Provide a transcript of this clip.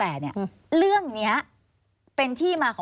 แล้วเขาสร้างเองว่าห้ามเข้าใกล้ลูก